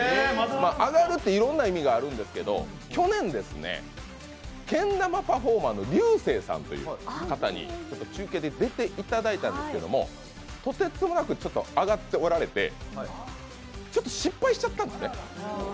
アガるっていろんな意味があるんですけど去年、けん玉パフォーマーのリューセーさんという方に中継で出ていただいたんですけれども、とてつもなくあがっておられて失敗しちゃったんですね。